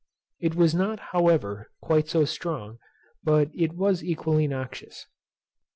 It was not, however, quite so strong, but it was equally noxious. 9.